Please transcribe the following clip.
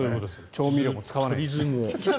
調味料も使わないですね。